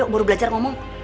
baru belajar ngomong